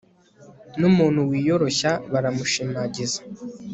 n'umuntu wiyoroshya baramushimagiza